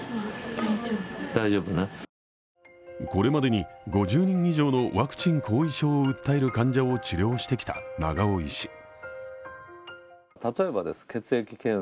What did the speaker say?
これまでに５０人以上のワクチン後遺症を訴える患者を治療してきた長尾医師。